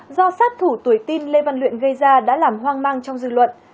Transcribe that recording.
do sát thủ tuổi tin lê văn luyện gây ra đã làm hoang mang trong dư luận